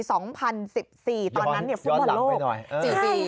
ตอนนั้นฟุตบอลโลกย้อนหลังไปหน่อย